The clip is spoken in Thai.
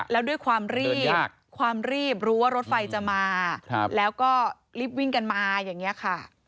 แล้วด้วยความรีบความรีบรู้ว่ารถไฟจะมาแล้วก็รีบวิ่งกันมาอย่างนี้ค่ะ